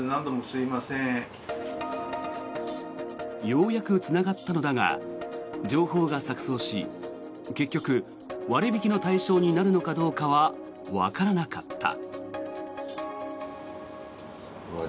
ようやくつながったのだが情報が錯そうし結局割引の対象になるのかどうかはわからなかった。